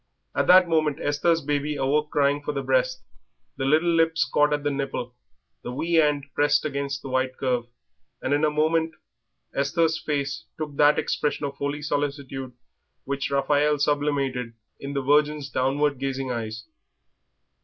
At that moment Esther's baby awoke crying for the breast. The little lips caught at the nipple, the wee hand pressed the white curve, and in a moment Esther's face took that expression of holy solicitude which Raphael sublimated in the Virgin's downward gazing eyes.